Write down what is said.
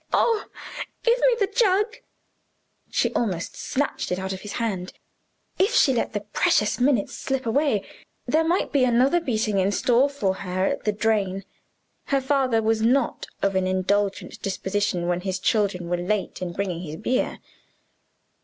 "Oh, give me the jug." She almost snatched it out of his hand. If she let the precious minutes slip away, there might be another beating in store for her at the drain: her father was not of an indulgent disposition when his children were late in bringing his beer.